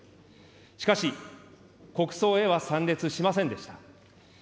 しかし、国葬へは参列しませんでした。